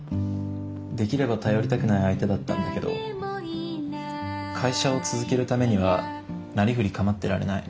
できれば頼りたくない相手だったんだけど会社を続けるためにはなりふり構ってられない。